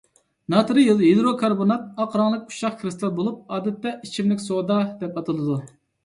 ناترىي ھىدروكاربونات ئاق رەڭلىك ئۇششاق كىرىستال بولۇپ، ئادەتتە «ئىچىملىك سودا» دەپ ئاتىلىدۇ.